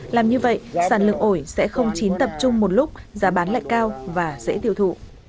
làm như vậy sản lượng ổi sẽ không chín tập trung một lúc giá bán lại cao và dễ tiêu thụ